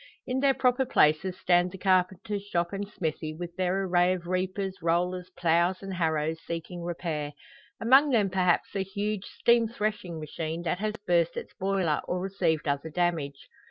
In their proper places stand the carpenters shop and smithy, with their array of reapers, rollers, ploughs, and harrows seeking repair; among them perhaps a huge steam threshing machine, that has burst its boiler, or received other damage.